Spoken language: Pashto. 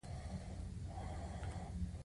د احمد جان غوا ډیره پروړه خوري.